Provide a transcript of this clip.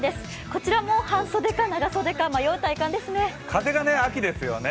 こちらも半袖か長袖か迷う体感ですね。